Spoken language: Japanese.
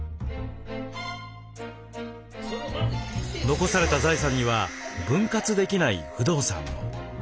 残された財産には分割できない不動産も。